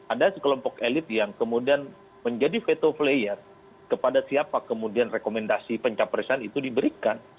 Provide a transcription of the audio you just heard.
ada sekelompok elit yang kemudian menjadi veto player kepada siapa kemudian rekomendasi pencapresan itu diberikan